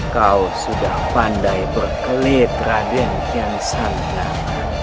kau sudah pandai berkelit raden kian sangat